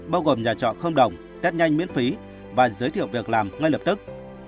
bao gồm nhà trọ không đồng test nhanh miễn phí và giới thiệu việc làm ngay lập tức